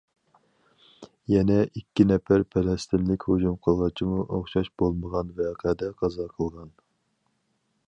يەنە ئىككى نەپەر پەلەستىنلىك ھۇجۇم قىلغۇچىمۇ ئوخشاش بولمىغان ۋەقەدە قازا قىلغان.